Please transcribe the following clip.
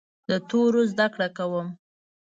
د تورو زده کړه کوم.